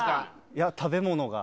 いや食べ物が。